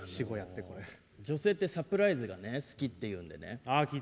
女性ってサプライズが好きっていうんでね。